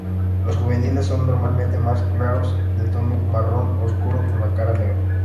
Los juveniles son normalmente más claros, de tono marrón oscuro con la cara negra.